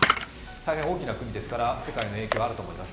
大変大きな国ですから世界への影響があると思います。